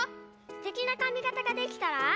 すてきなかみがたができたら。